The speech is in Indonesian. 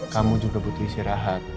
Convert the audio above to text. kamu juga butuh istirahat